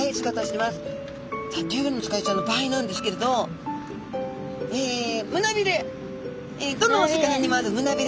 リュウグウノツカイちゃんの場合なんですけれど胸びれどのお魚にもある胸びれ